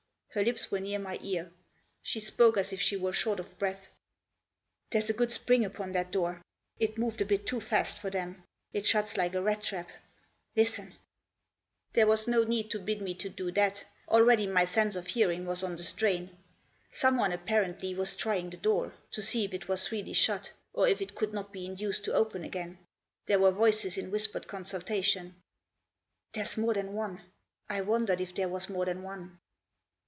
Her lips were near my ear ; she spoke as if she were short of breath. " There's a good spring upon that door ; it moved a bit too fast for them ; it shuts like a rat trap. Listen !« There was no need to bid me to do that ; already my sense of hearing was on the strain. Someone, apparently, was trying the door ; to see if it was really shut ; or if it could not be induced to open again. There were voices in whispered consultation. " There's more than one ; I wondered if there was more than one."